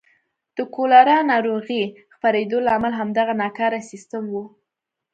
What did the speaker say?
د کولرا ناروغۍ خپرېدو لامل همدغه ناکاره سیستم و.